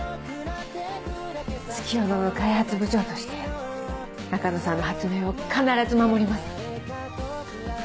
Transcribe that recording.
月夜野の開発部長として中野さんの発明を必ず守ります。